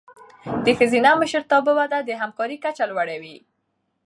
د ښځینه مشرتابه وده د همکارۍ کچه لوړوي.